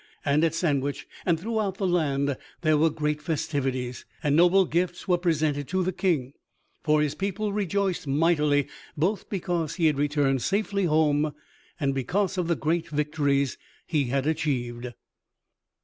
And at Sandwich and throughout the land there were great festivities, and noble gifts were presented to the King; for his people rejoiced mightily both because he had returned safely home, and because of the great victories he had achieved.